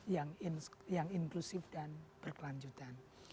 yang inklusif dan berkelanjutan